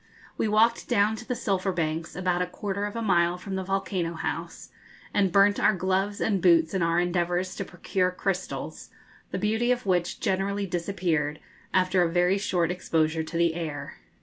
We walked down to the Sulphur Banks, about a quarter of a mile from the 'Volcano House,' and burnt our gloves and boots in our endeavours to procure crystals, the beauty of which generally disappeared after a very short exposure to the air.